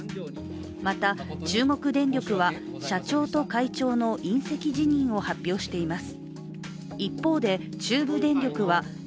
また中国電力は、社長と会長の引責辞任を発表しています。